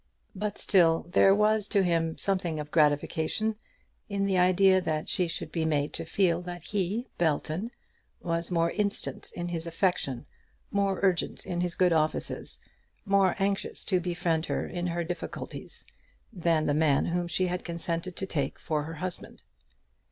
But still there was to him something of gratification in the idea that she should be made to feel that he, Belton, was more instant in his affection, more urgent in his good offices, more anxious to befriend her in her difficulties, than the man whom she had consented to take for her husband.